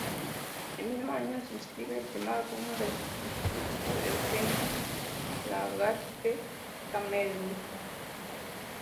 El mismo año se inscribe el primer alumno del instituto, Eugenio Lagarde Camerún.